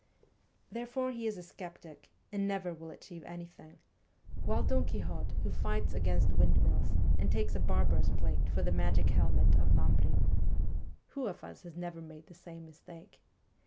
' Therefore he is a sceptic, and never will achieve any thing ; while Don Quixote, who fights against wind mills, and takes a barber's plate for the magic helmet of Mambrin (who of us has never made the same mistake?)